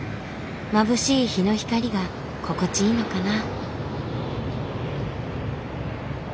まぶしい日の光が心地いいのかな。